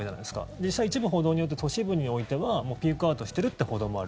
実際、一部報道によると都市部においてはもうピークアウトしているという報道もある。